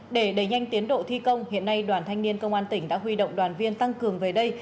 để đẩy nhanh tiến độ thi công hiện nay đoàn thanh niên công an tỉnh đã huy động đoàn viên tăng cường về đây